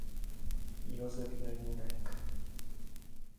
Josef Jelínek.